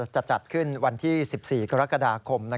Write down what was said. จะจัดขึ้นวันที่๑๔กรกฎาคม